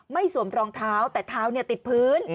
ไม่สวมกระโปรงเท้าแต่เท้าติดพื้น